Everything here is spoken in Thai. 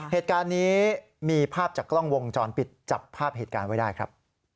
เหตุการณ์นี้มีภาพจากกล้องวงจรปิดจับภาพเหตุการณ์ไว้ได้ครับ